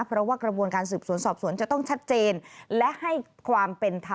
เพราะว่ากระบวนการสืบสวนสอบสวนจะต้องชัดเจน